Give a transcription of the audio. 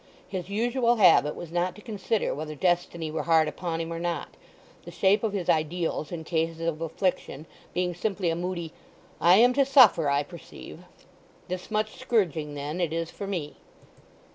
His usual habit was not to consider whether destiny were hard upon him or not—the shape of his ideals in cases of affliction being simply a moody "I am to suffer, I perceive." "This much scourging, then, it is for me."